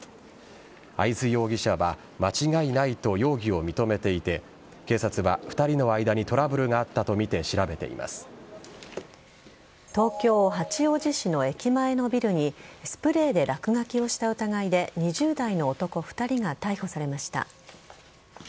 会津容疑者は間違いないと容疑を認めていて警察は２人の間にトラブルがあったとみて東京・八王子市の駅前のビルにスプレーで落書きをした疑いで２０代の男２人が逮捕されました。